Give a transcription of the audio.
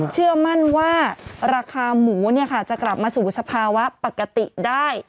เชื่อมั่นนะครับว่าราคาหมูนี่ค่ะจะกลับมาสู่ทศพาวะปกติได้